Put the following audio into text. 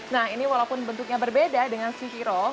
nah ini walaupun bentuknya berbeda dengan sushi roll